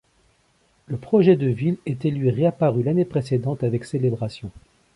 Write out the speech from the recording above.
Le projet de ville était lui réapparu l'année précédente avec Celebration.